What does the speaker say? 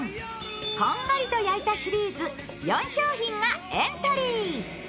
こんがりと焼いたシリーズ、４商品がエントリー。